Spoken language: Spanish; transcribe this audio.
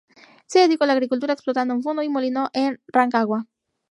Se dedicó a la agricultura, explotando un fundo y molino en Rancagua.